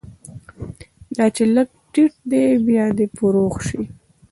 دا چې لږ تت دی، بیا دې فروغ شي